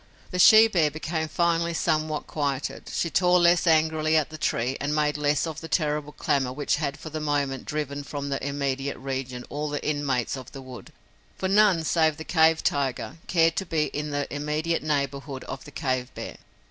The she bear became finally somewhat quieted; she tore less angrily at the tree and made less of the terrible clamor which had for the moment driven from the immediate region all the inmates of the wood, for none save the cave tiger cared to be in the immediate neighborhood of the cave bear.